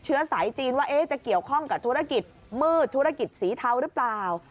เชื้อสายจีนว่าจะเกี่ยวข้องกับธุรกิจมืดธุรกิจสีเทาหรือเปล่า